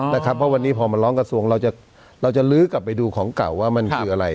เพราะวันนี้พอมาร้องกระทรวงเราจะลื้อกลับไปดูของเก่าว่ามันคืออะไร